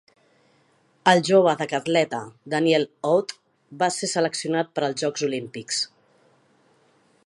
El jove decatleta Daniel Awde va ser seleccionat per als Jocs Olímpics.